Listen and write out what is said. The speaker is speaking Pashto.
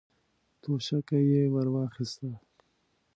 توشکه يې ور واخيسته.